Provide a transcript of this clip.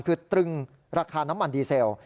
คือตรึงราคาน้ำมันดีเซล